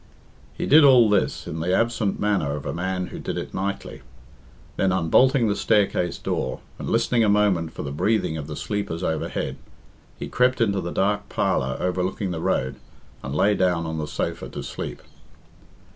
He did all this in the absent manner of a man who did it nightly. Then unbolting the staircase door, and listening a moment for the breathing of the sleepers overhead, he crept into the dark parlour overlooking the road, and lay down on the sofa to sleep.